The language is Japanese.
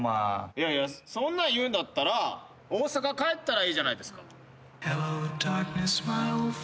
いやいやそんなん言うんだったら大阪帰ったらいいじゃないですか。